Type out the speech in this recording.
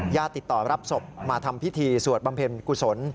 ญาติติดต่อรับศพมาทำพิธีสวดบำเพ็ญกุศล